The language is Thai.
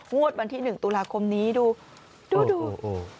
วันที่๑ตุลาคมนี้ดูดูดู